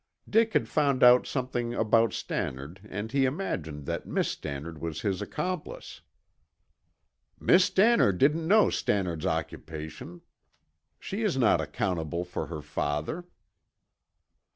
Dick had found out something about Stannard and he imagined that Miss Stannard was his accomplice." "Miss Stannard didn't know Stannard's occupation. She is not accountable for her father."